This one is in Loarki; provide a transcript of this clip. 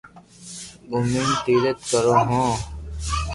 گومين تيرٿ ڪرو ھون